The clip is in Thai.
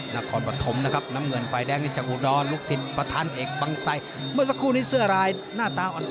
น้ำเฉินไฟแดงที่จังกูดอร์นลูกศิษฐ์ทางเอกบางไซ่เมื่อสักครู่นี้เสื้อรายหน้าตาอ่อนเห็นมั้ย